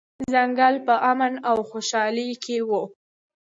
ځنګل په امن او خوشحالۍ کې و.